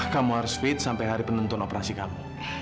kamu harus fit sampai hari penentuan operasi kamu